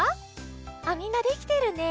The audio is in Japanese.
あっみんなできてるね。